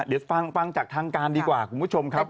เดี๋ยวฟังจากทางการดีกว่าคุณผู้ชมครับ